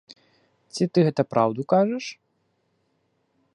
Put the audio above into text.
Ці ты гэта праўду кажаш?